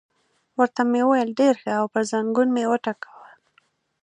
ورته مې وویل: ډېر ښه، او پر زنګون مې وټکاوه.